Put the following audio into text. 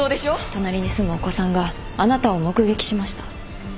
隣に住むお子さんがあなたを目撃しました。